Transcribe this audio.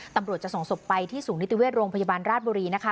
ตำรวจจะส่งศพไปที่ศูนย์นิติเวชโรงพยาบาลราชบุรีนะคะ